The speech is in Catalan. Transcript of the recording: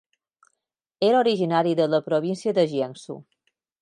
Era originari de la província de Jiangsu.